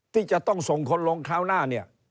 ที่จะต้องส่งคนลงคราวหน้าเนี่ย